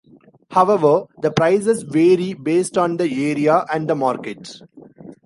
However, the prices vary based on the area and the market.